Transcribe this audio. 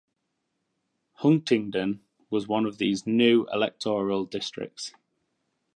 Huntingdon was one of those new electoral districts.